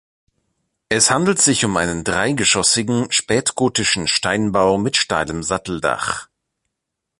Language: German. Es handelt sich um einen dreigeschossigen, spätgotischen Steinbau mit steilem Satteldach.